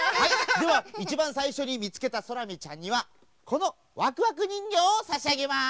ではいちばんさいしょにみつけたソラミちゃんにはこのワクワクにんぎょうをさしあげます！